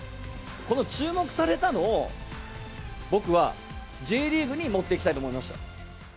この注目されたのを、僕はＪリーグに持っていきたいと思いました。